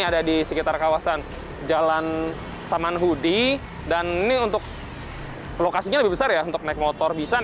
ada di sekitar kawasan jalan samanhudi dan ini untuk lokasinya lebih besar ya untuk naik motor bisa